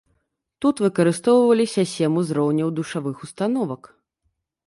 Тут выкарыстоўваліся сем узроўняў душавых установак.